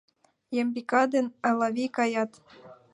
Ямбика ден Элавий каят.